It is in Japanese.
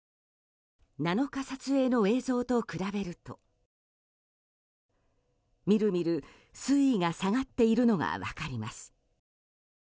７日撮影の映像と比べるとみるみる水位が下がっているのが分かります。